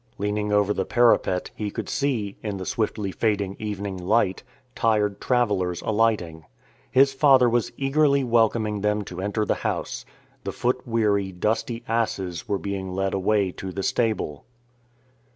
Leaning over the parapet, he could see, in the swiftly fading evening light, tired travellers alighting. His father was eagerly welcoming them to enter the house. The foot weary, dusty asses were being led away to the stable.